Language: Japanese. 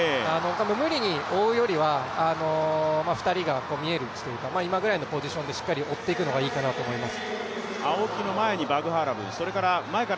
無理に追うよりは、２人が見える位置というか、今ぐらいのポジションでしっかり追っていくのがいいと思います。